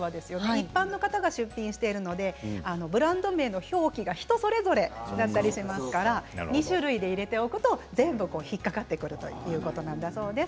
一般の方が出品しているので各ブランド名の表記が人それぞれだったりしますので２種類で入れておくと全部、引っ掛かってくるということだそうです。